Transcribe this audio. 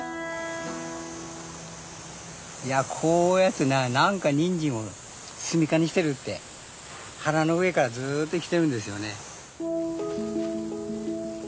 こういうやつ何かニンジンを住みかにしてるって花の上からずっと生きてるんですよね。